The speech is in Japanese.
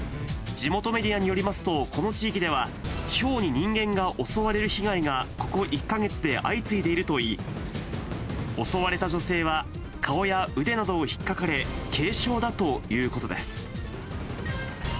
地元メディアによりますと、この地域では、ヒョウに人間が襲われる被害がここ１か月で相次いでいるといい、襲われた女性は、顔や腕などをひっかかれ、軽傷だということです。